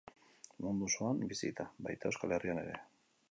Mundu osoan bizi da, baita Euskal Herrian ere.